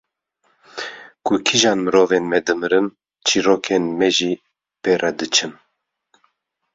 Ku kîjan mirovên me dimirin çîrokên me jî pê re diçin